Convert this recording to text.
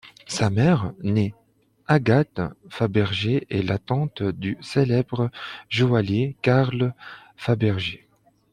Sa mère, née Agathe Fabergé, est la tante du célèbre joaillier Carl Fabergé.